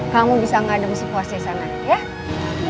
kamu bisa ngadem sepuasnya sana ya